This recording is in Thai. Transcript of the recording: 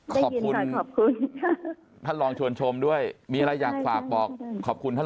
ขอบคุณขอบคุณท่านลองชวนชมด้วยมีอะไรอยากฝากบอกขอบคุณท่าน